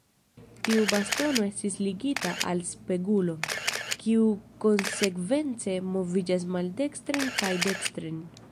Tiu bastono estis ligita al spegulo, kiu konsekvence moviĝas maldekstren kaj dekstren.